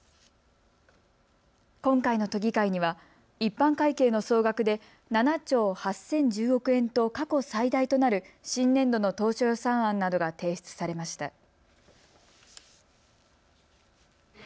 今回の都議会には一般会計の総額で７兆８０１０億円と過去最大となる新年度の当初予算案などが提出されました。